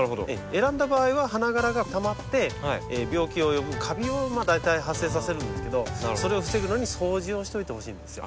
選んだ場合は花がらがたまって病気を呼ぶカビを大体発生させるんですけどそれを防ぐのに掃除をしておいてほしいんですよ。